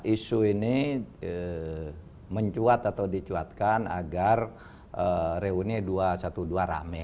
isu ini mencuat atau dicuatkan agar reuni dua ratus dua belas rame